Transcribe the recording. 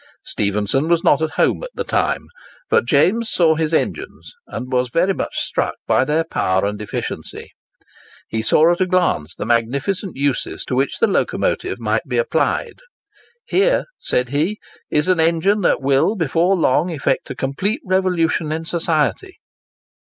Stephenson was not at home at the time, but James saw his engines, and was very much struck by their power and efficiency. He saw at a glance the magnificent uses to which the locomotive might be applied. "Here," said he, "is an engine that will, before long, effect a complete revolution in society."